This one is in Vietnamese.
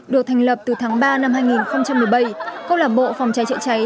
được thành lập từ tháng ba năm hai nghìn một mươi bảy cơ lạc bộ phòng cháy trựa cháy